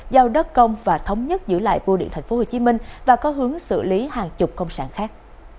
giao đất công và thống nhất giữ lại bưu điện tp hcm và có hướng xử lý hàng chục công sản khác